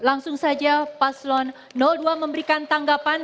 langsung saja paslon dua memberikan tanggapan